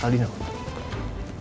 kalo dia udah bilang